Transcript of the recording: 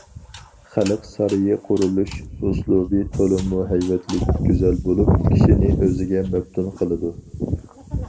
‹‹ خەلق›› سارىيى قۇرۇلۇش ئۇسلۇبى تولىمۇ ھەيۋەتلىك، گۈزەل بولۇپ، كىشىنى ئۆزىگە مەپتۇن قىلىدۇ.